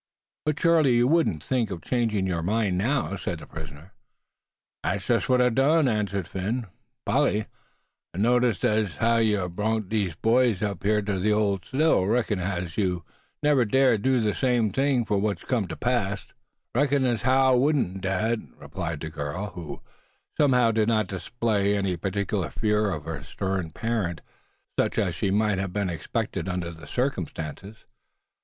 "But surely you wouldn't think of changing your mind now?" said the prisoner. "Thet's jest what I done, suh," answered Phin. "Polly, I'se noticin' as how yuh brung them byes up hyah tuh the old Still. Reckons as how yuh never'd dared do thet same on'y foh what's cum ter pass." "Reckons as how I wudn't, dad," replied the girl; who, somehow, did not seem to display any particular fear of the stern parent, such as might have been expected under the circumstances.